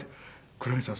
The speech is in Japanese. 黒柳さん